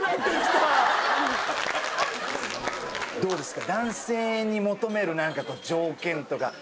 どうですか。